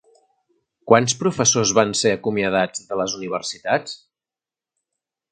Quants professors van ser acomiadats de les Universitats?